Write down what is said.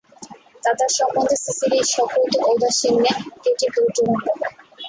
দাদার সম্বন্ধে সিসির এই সকৌতুক ঔদাসীন্যে কেটির ধৈর্যভঙ্গ হয়।